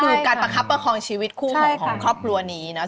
คือการประคับประคองชีวิตคู่ของครอบครัวนี้เนาะ